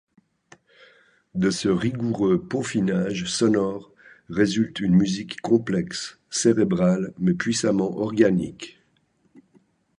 De ce rigoureux peaufinage sonore résulte une musique complexe, cérébrale mais puissamment organique.